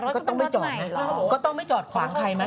ก็ต้องไม่จอดไหมล่ะก็ต้องไม่จอดขวางใครไหม